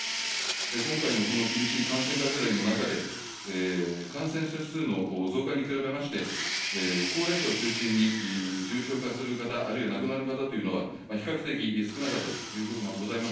今回のこの厳しい感染拡大の中で、感染者数の増加に比べまして、高齢者を中心に、重症化する方、あるいは亡くなる方というのは、比較的少なかったということもございます。